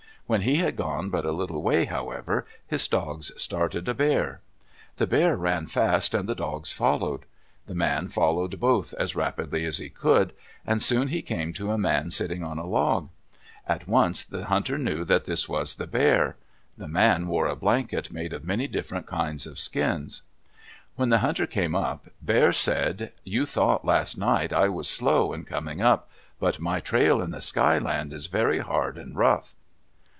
When he had gone but a little way, however, his dogs started a bear. The bear ran fast and the dogs followed. The man followed both as rapidly as he could, and soon he came to a man sitting on a log. At once the hunter knew this was the bear. The man wore a blanket made of many different kinds of skins. When the hunter came up, Bear said, "You thought last night I was slow in coming up, but my trail in the Sky Land is very hard and rough.